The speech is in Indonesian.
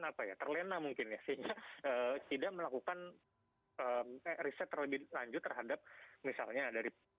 apa ya terlena mungkin ya sehingga tidak melakukan riset terlebih lanjut terhadap misalnya dari